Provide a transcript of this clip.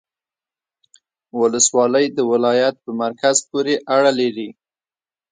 ولسوالۍ د ولایت په مرکز پوري اړه لري